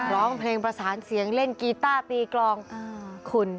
ร้องเพลงประสานเสียงเล่นกีต้าตีกลองคุณ